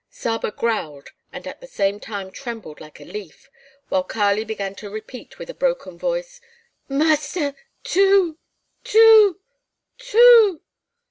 Saba growled and at the same time trembled like a leaf, while Kali began to repeat with a broken voice: "Master, two! two! two!"